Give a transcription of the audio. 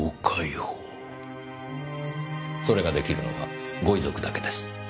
それができるのはご遺族だけです。